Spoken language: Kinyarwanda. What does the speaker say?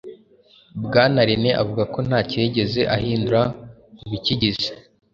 Bwana René avuga ko ntacyo yigeze ahindura ku bikigize,